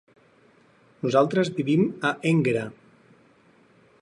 Nosaltres vivim a Énguera.